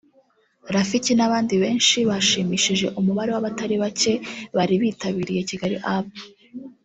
Rafiki n'abandi benshi bashimishije umubare w’abatari bake bari bitabiriye Kigali Up